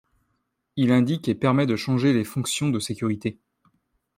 Il indique et permet de changer les fonctions de sécurité.